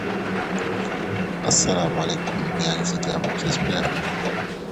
Sans preuve suffisante, Charron ne peut agir.